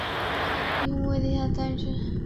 以恐怖为题材的单元剧。